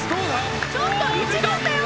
ちょっと１番だよ！